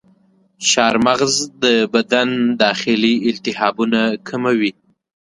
چارمغز د بدن داخلي التهابونه کموي.